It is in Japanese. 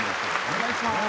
お願いします。